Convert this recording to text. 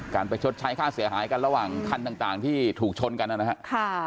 ไปชดใช้ค่าเสียหายกันระหว่างคันต่างที่ถูกชนกันนะครับ